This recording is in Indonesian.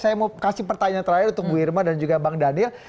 saya mau kasih pertanyaan terakhir untuk bu irma dan juga bang daniel